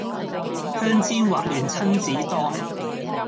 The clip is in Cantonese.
香煎滑嫩親子丼